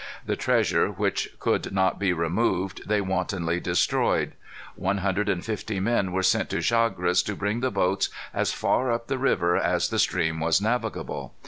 The treasure which could not be removed they wantonly destroyed. One hundred and fifty men were sent to Chagres to bring the boats as far up the river as the stream was navigable.